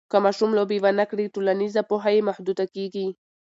که ماشوم لوبې ونه کړي، ټولنیزه پوهه یې محدوده کېږي.